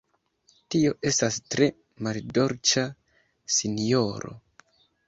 Tio estas tre maldolĉa, sinjoro!